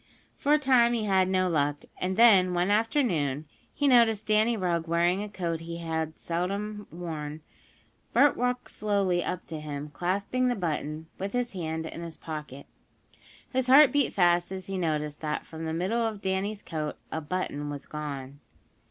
For a time he had no luck, and then, one afternoon, as he noticed Danny Rugg wearing a coat he seldom had on, Bert walked slowly up to him, clasping the button, with his hand, in his pocket. His heart beat fast as he noticed that from the middle of Danny's coat a button was gone.